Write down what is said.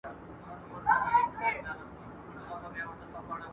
په وطن کي چی نېستي سي د پوهانو !.